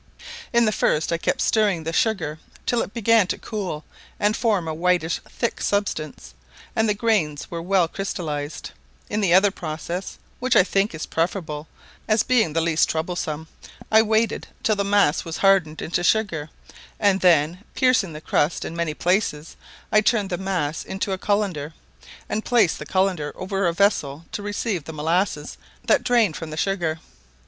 In the first I kept stirring the sugar till it began to cool and form a whitish thick substance, and the grains were well crystallised; in the other process, which I think preferable, as being the least troublesome, I waited till the mass was hardened into sugar, and then, piercing the crust in many places, I turned the mass into a cullender, and placed the cullender over a vessel to receive the molasses that drained from the sugar.